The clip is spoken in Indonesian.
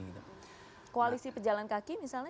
koalisi pejalan kaki misalnya juga di naikin